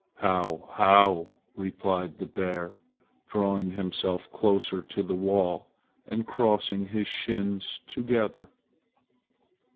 "How, how!" replied the bear, drawing himself closer to the wall and crossing his shins together.